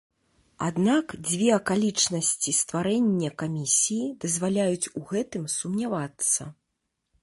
Аднак, дзве акалічнасці стварэння камісіі дазваляюць у гэтым сумнявацца.